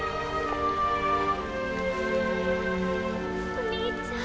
お兄ちゃん！